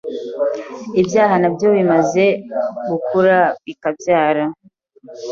ibyaha nabyo bimaze gukura bikabyara